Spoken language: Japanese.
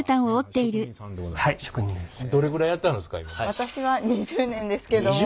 私は２０年ですけども。